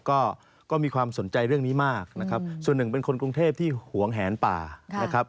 ก็ก็มีความสนใจเรื่องนี้มากนะครับส่วนหนึ่งเป็นคนกรุงเทพที่หวงแหนป่านะครับ